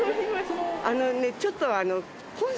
あのねちょっとあの。